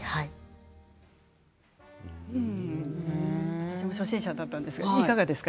私も初心者だったんですがいかがですか？